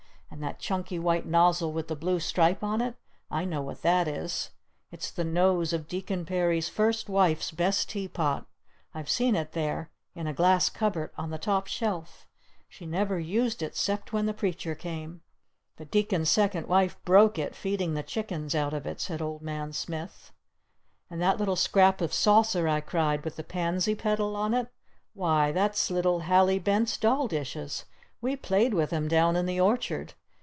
And that chunky white nozzle with the blue stripe on it? I know what that is! It's the nose of Deacon Perry's first wife's best tea pot! I've seen it there! In a glass cupboard! On the top shelf! She never used it 'cept when the Preacher came!" "The Deacon's second wife broke it feeding chickens out of it," said Old Man Smith. "And that little scrap of saucer," I cried, "with the pansy petal on it? Why Why that's little Hallie Bent's doll dishes! We played with 'em down in the orchard!